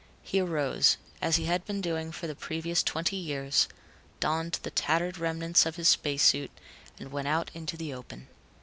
He arose, as he had been doing for the previous twenty years, donned the tattered remnants of his space suit, and went out into the open.